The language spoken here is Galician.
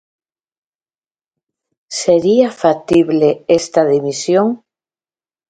Sería factible esta dimisión?